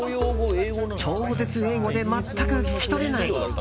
超絶英語で全く聞き取れない。